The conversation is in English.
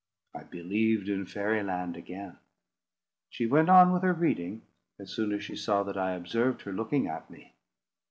I believed in Fairy Land again. She went on with her reading, as soon as she saw that I observed her looking at me.